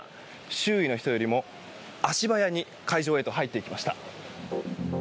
周囲の人よりも足早に会場へと入っていきました。